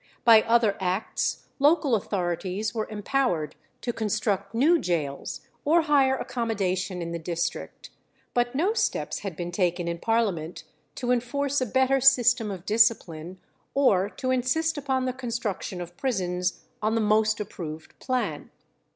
By other acts local authorities were empowered to construct new gaols or hire accommodation in the district; but no steps had been taken in Parliament to enforce a better system of discipline, or to insist upon the construction of prisons on the most approved plan.